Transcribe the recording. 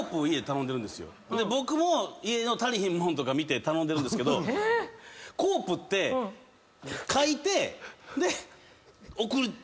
で僕も家の足りひんもんとか見て頼んでるんですけどコープって書いてで送る。